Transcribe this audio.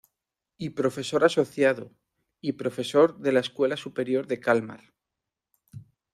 Y profesor asociado y profesor de la Escuela Superior de Kalmar